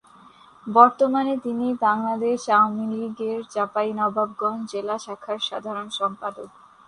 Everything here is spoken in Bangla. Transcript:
বর্তমানে তিনি বাংলাদেশ আওয়ামী লীগ-এর চাঁপাইনবাবগঞ্জ জেলা শাখার সাধারণ সম্পাদক।